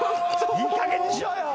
いいかげんにしろよ！